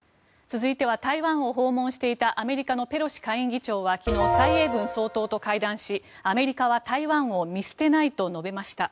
続いては台湾を訪問していたアメリカのペロシ下院議長は昨日、蔡英文総統と会談しアメリカは台湾を見捨てないと述べました。